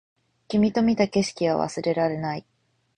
君と見た景色は忘れられない